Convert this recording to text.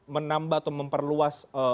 menambah atau memperluas